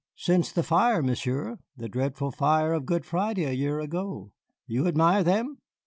"Since the fire, Monsieur, the dreadful fire of Good Friday a year ago. You admire them?"